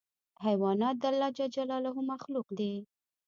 حیوانات د الله مخلوق دي.